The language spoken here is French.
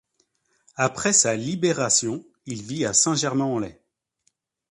Après sa libération, il vit à Saint-Germain-en-Laye.